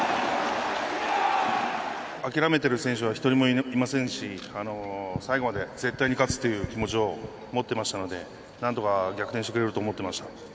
諦めてる選手は１人もいませんし最後まで絶対に勝つっていう気持ちを持ってましたのでなんとか逆転してくれると思ってました。